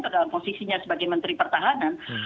kedalam posisinya sebagai menteri pertahanan